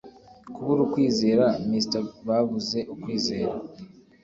kubura ukwizera mr babuze ukwizera